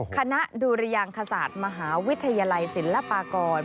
คณะดุรยางคศาสตร์มหาวิทยาลัยศิลปากร